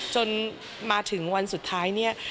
จนมาถึงวันสุดท้ายเนี่ย